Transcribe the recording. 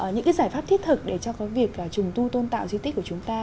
những giải pháp thiết thực để cho việc trùng tu tôn tạo di tích của chúng ta